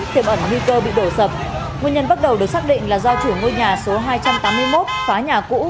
tiềm ẩn nguy cơ bị đổ sập nguyên nhân bắt đầu được xác định là do chủ ngôi nhà số hai trăm tám mươi một phá nhà cũ